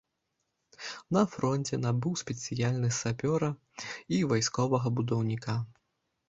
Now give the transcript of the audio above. На фронце набыў спецыяльнасць сапёра і вайсковага будаўніка.